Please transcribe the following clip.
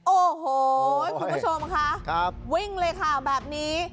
โอ้โหคุณผู้ชมค่ะวิ่งเลยค่ะแบบนี้